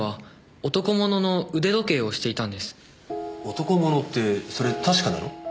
男物ってそれ確かなの？